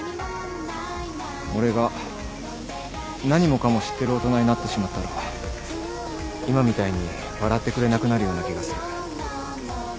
俺が何もかも知ってる大人になってしまったら今みたいに笑ってくれなくなるような気がする。